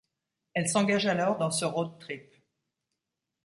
Elle s'engage alors dans ce road-trip.